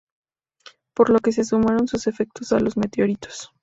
Por lo que se sumaron sus efectos a los de los meteoritos.